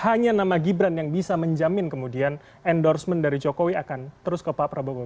hanya nama gibran yang bisa menjamin kemudian endorsement dari jokowi akan terus ke pak prabowo